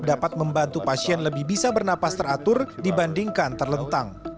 dapat membantu pasien lebih bisa bernapas teratur dibandingkan terlentang